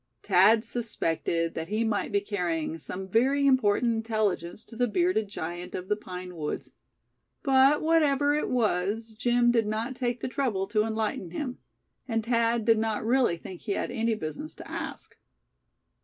Thad suspected that he might be carrying some very important intelligence to the bearded giant of the pine woods; but whatever it was, Jim did not take the trouble to enlighten him; and Thad did not really think he had any business to ask.